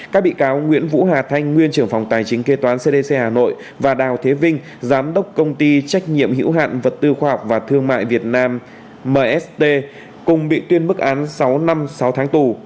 các bị cáo nguyễn vũ hà thanh nguyên trưởng phòng tài chính kế toán cdc hà nội và đào thế vinh giám đốc công ty trách nhiệm hữu hạn vật tư khoa học và thương mại việt nam mst cùng bị tuyên bức án sáu năm sáu tháng tù